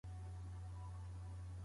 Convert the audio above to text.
پېژندنه د املا اساسي هدف دی.